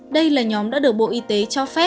đây là nhóm đã được bộ y tế cho phép